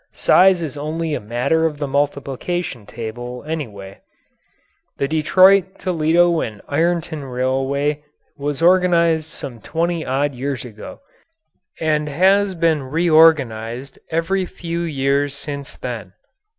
Size is only a matter of the multiplication table, anyway. The Detroit, Toledo & Ironton Railway was organized some twenty odd years ago and has been reorganized every few years since then.